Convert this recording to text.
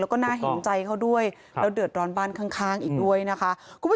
แล้วก็น่าเห็นใจเขาด้วยแล้วเดือดร้อนบ้านข้างอีกด้วยนะคะ